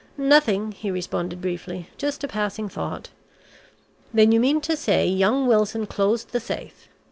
"Nothing," he responded briefly. "Just a passing thought. Then you mean to say young Wilson closed the safe.